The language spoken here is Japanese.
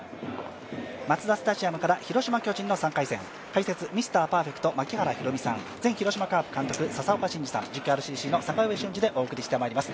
マツダスタジアムから広島×巨人の３回戦、解説、ミスターパーフェクト・槙原寛己さん、前広島カープ監督佐々岡真司さん、実況、ＲＣＣの坂上俊次でお送りしてまいります。